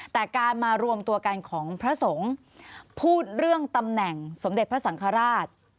แต่การมารวมตัวกันของพระสงฆ์พูดเรื่องตำแหน่งสมเด็จพระสังฆราช